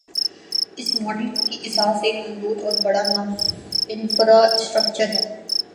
اس model کی اساس ایک مضبوط اور بڑا انفراسٹرکچر ہے۔